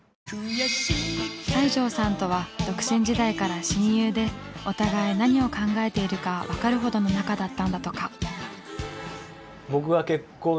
西城さんとは独身時代から親友でお互い何を考えているか分かるほどの仲だったんだとか。